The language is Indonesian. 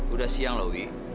udah siang loh wih